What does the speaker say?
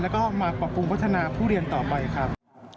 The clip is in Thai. แล้วก็มาปรับปรุงพัฒนาผู้เรียนต่อไปครับ